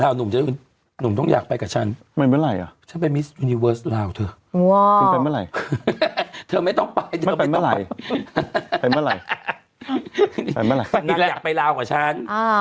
ท่านอยากไปราวกับฉัน